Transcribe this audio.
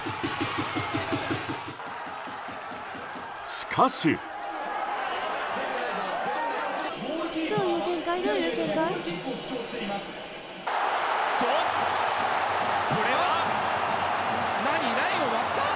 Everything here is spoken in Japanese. しかし。と、これは。